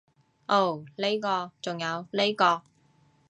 噢呢個，仲有呢個